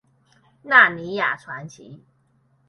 納尼亞傳奇